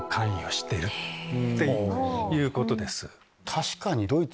確かに。